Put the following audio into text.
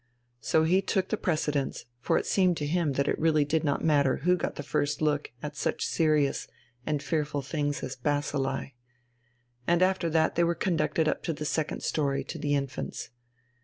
So he took the precedence, for it seemed to him that it really did not matter who got the first look at such serious and fearful things as bacilli. And after this they were conducted up to the second story, to the infants.